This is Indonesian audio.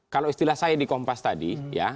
kalau istilah saya di kompas tadi ya